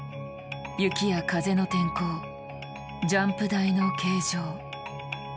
雪や風の天候ジャンプ台の形状。